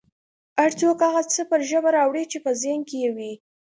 هر څوک هغه څه پر ژبه راوړي چې په ذهن کې یې وي